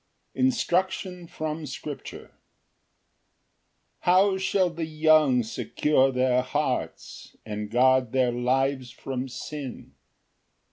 Instruction from scripture. Ver. 9. 1 How shall the young secure their hearts, And guard their lives from sin?